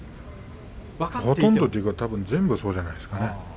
ほとんどというか全部そうじゃないですかね。